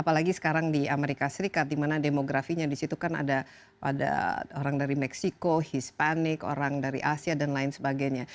apalagi sekarang di amerika serikat di mana demografinya disitu kan ada orang dari meksiko hispanik orang dari asia dan lain sebagainya